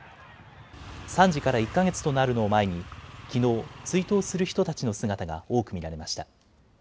惨事から１か月となるのを前にきのう、追悼する人たちの姿が多く見られました。